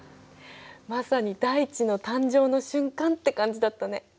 まさに大地の誕生の瞬間って感じだったね。